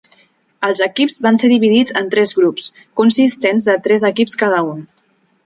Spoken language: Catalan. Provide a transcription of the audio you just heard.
Els equips van ser dividits en tres grups, consistents de tres equips cada un.